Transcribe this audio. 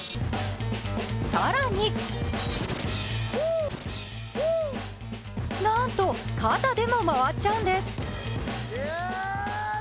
更になんと、肩でも回っちゃうんです。